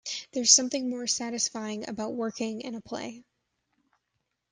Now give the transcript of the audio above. There's something more satisfying about working in a play.